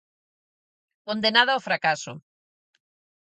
Condenada ao fracaso.